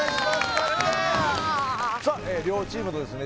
マジでさあ両チームのですね